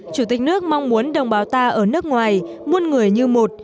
chủ tịch nước mong muốn đồng bào ta ở nước ngoài muôn người như một